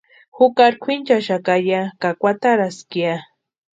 Jukarini kwʼinchaxaka ya ka kwataraska ya.